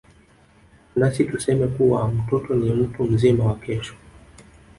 Nasi tuseme kuwa mtoto ni mtu mzima wa Kesho.